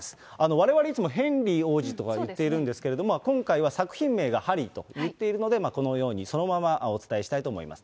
われわれ、いつもヘンリー王子とか言っているんですけれども、今回は作品名がハリーと言っているので、このように、そのままお伝えしたいと思います。